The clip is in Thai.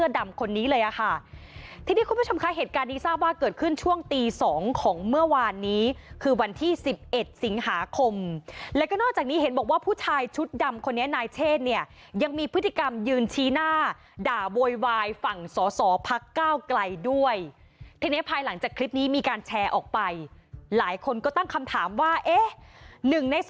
คุณผู้ชมคะเหตุการณ์นี้ทราบว่าเกิดขึ้นช่วงตี๒ของเมื่อวานนี้คือวันที่๑๑สิงหาคมแล้วก็นอกจากนี้เห็นบอกว่าผู้ชายชุดดำคนนี้นายเชษเนี่ยยังมีพฤติกรรมยืนชี้หน้าด่าโวยวายฝั่งสอสอพักก้าวไกลด้วยทีนี้ภายหลังจากคลิปนี้มีการแชร์ออกไปหลายคนก็ตั้งคำถามว่าเอ๊ะ